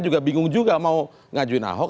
juga bingung juga mau ngajuin ahok